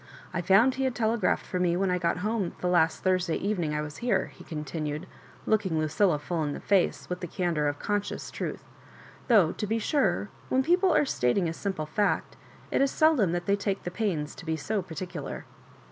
I found he had telegraphed for me when I got home the last Thursday evening I was here," he continued, looking Lucilla full in the face with the candour of conscious truth — though, to be sure, when people are stating a simple &ct, it is seldom that they take the pains to be so particular.